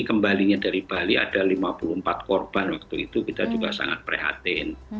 kembalinya dari bali ada lima puluh empat korban waktu itu kita juga sangat prihatin